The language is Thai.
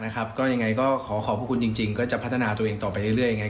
ก็ยังไงก็ขอขอบพระคุณจริงก็จะพัฒนาตัวเองต่อไปเรื่อย